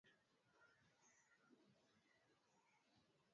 Zumari ya miaka elfu arobaini na moja iliyopita iliyotengenezwa kwa mfupa